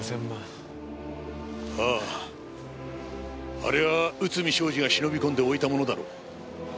あれは内海将司が忍び込んで置いたものだろう。